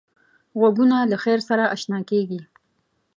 غوږونه له خیر سره اشنا کېږي